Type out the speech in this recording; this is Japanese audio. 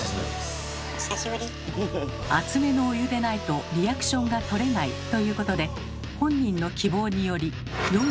熱めのお湯でないとリアクションがとれないということで本人の希望により４７℃に設定。